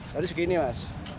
tadi segini mas